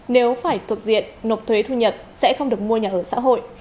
nếu phải thuộc diện nộp thuế thu nhập sẽ không được mua nhà ở xã hội